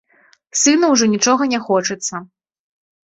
Сыну ўжо нічога не хочацца.